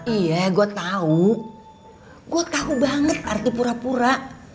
iya gua tahu gua tahu banget arti pura pura